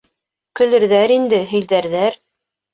Көлөрҙәр инде, һөйҙәрҙәр...